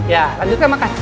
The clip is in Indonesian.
ya lanjutkan makan